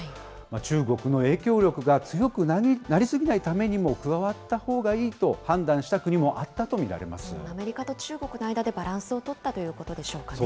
中国の影響力が強くなり過ぎないためにも、加わったほうがいいとアメリカと中国の間でバランスを取ったということでしょうかね。